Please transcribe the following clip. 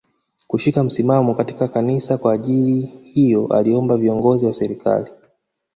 Kushika msimamo katika Kanisa Kwa ajili hiyo aliomba viongozi wa serikali